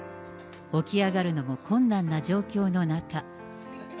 起き上がるのも困難な状況の中。